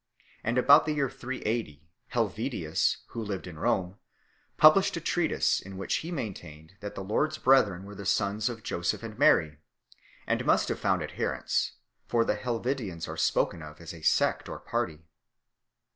And about the year 380 Helvidius 7 , who lived in Rome, published a treatise in which he maintained that the Lord s brethren were the sons of Joseph and Mary, and must have found adherents, for the Helvidians are spoken of as a sect or party.